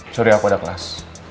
sorry aku ada kelas